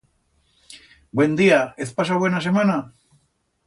Buen día, hez pasau buena semana?